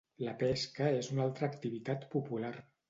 La pesca és una altra activitat popular.